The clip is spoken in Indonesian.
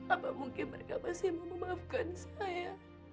apa mungkin mereka masih mau memaafkan saya